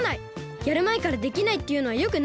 やるまえからできないっていうのはよくないよ！